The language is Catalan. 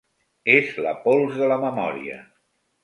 És la pols de la memòria.